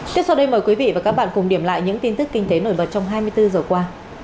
tiếp sau đây mời quý vị và các bạn cùng điểm lại những tin tức kinh tế nổi bật trong hai mươi bốn giờ qua